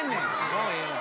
もうええわ。